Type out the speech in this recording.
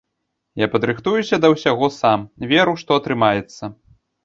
Я падрыхтуюся да ўсяго сам, веру, што атрымаецца.